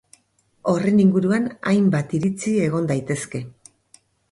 Horren inguruan hainbat iritzi egon daitezke.